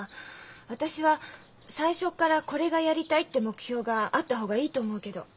私は最初から「これがやりたい」って目標があった方がいいと思うけど。